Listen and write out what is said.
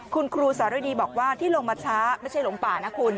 คุณครูสารดีบอกว่าที่ลงมาช้าไม่ใช่หลงป่านะคุณ